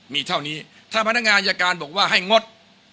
มีเท่านี้ถ้าพนักงานอายการบอกว่าให้งด